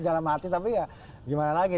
jalan mati tapi ya gimana lagi